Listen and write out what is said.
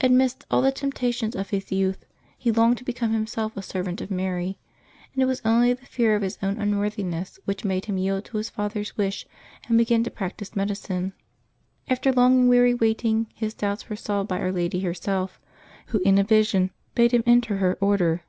Amidst all the temptations of his youth, he longed to become himself a servant of Mary, and it was only the fear of his own unworthiness which made him yield to his father's wish and begin to practise medicine. After long and weary waiting, his doubts were solved by Our Lady herself, who in a vision bade him enter her Order.